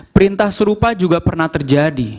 perintah serupa juga pernah terjadi